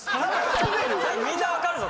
⁉みんな分かるぞ